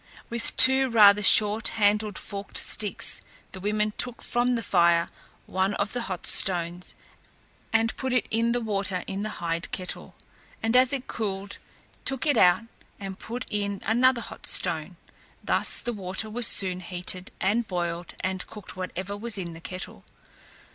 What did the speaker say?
With two rather short handled forked sticks, the women took from the fire one of the hot stones, and put it in the water in the hide kettle, and as it cooled, took it out and put in another hot stone. Thus the water was soon heated, and boiled and cooked whatever was in the kettle.